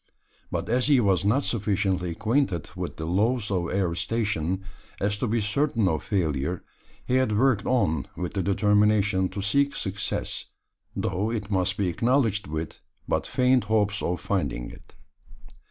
But as he was not sufficiently acquainted with the laws of aerostation as to be certain of failure, he had worked on with the determination to seek success, though it must be acknowledged with but faint hopes of finding it.